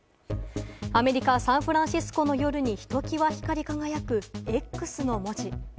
アメリカ・サンフランシスコの夜にひときわ光り輝く「Ｘ」の文字。